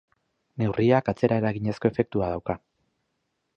Neurriak atzeraeraginezko efektu dauka.